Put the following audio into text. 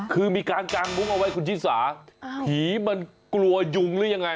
คือมีการกางมุ้งเอาไว้คุณชิสาผีมันกลัวยุงหรือยังไง